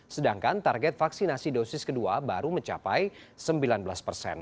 sedangkan target vaksinasi dosis kedua baru mencapai sembilan belas persen